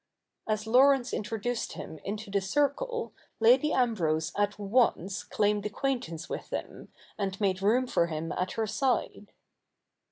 As Laurence introduced him into the circle Lady Ambrose at once claimed acquaintance with him, and made room for him at her side.